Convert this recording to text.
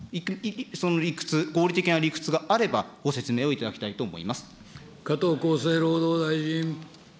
その理屈、合理的な理屈があれば、ご説明をいただきたいと思います。